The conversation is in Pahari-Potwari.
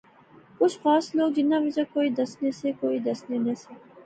کچھ خاص لوک جنہاں وچا کوئی دسنے سے کوئی دسنے نہسے